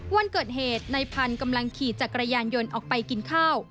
วันเกิดเหตุในพันธุ์กำลังขี่จักรยานยนต์ออกไปกินข้าว